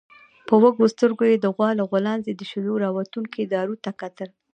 په وږو سترګويې د غوا له غولانځې د شيدو راوتونکو دارو ته کتل.